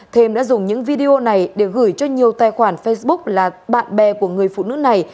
thêm đã dùng những video này để gửi cho nhiều tài khoản facebook là bạn bè của người phụ nữ này